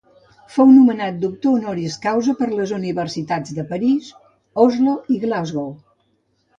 Fou nomenat doctor honoris causa per les universitats de París, Oslo i Glasgow.